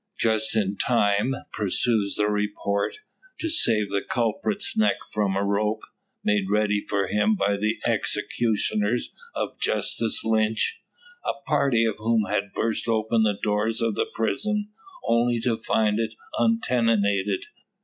Just in time, pursues the report, to save the culprit's neck from a rope, made ready for him by the executioners of Justice Lynch, a party of whom had burst open the doors of the prison, only to find it untenanted.